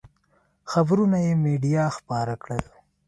خبرونه یې مېډیا خپاره کړل.